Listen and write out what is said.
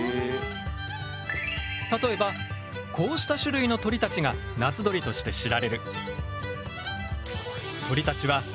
例えばこうした種類の鳥たちが夏鳥として知られる。